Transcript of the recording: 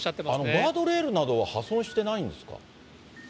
ガードレールなどは破損してないんですか？